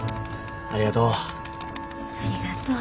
ありがとう。